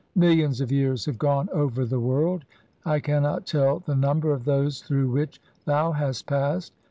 Millions of years "have gone over the world ; I cannot tell the num "ber of those through which thou hast passed."